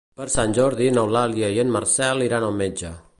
Per Sant Jordi n'Eulàlia i en Marcel iran al metge.